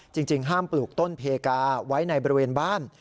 จริงห้ามปลูกต้นเพกาไว้ในบริเวณบ้าน